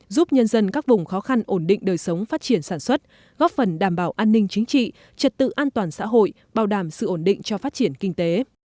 giúp nhân dân các vùng khó khăn ổn định đời sống phát triển sản xuất góp phần đảm bảo an ninh chính trị trật tự an toàn xã hội bảo đảm sự ổn định cho phát triển kinh tế